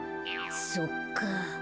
そっか。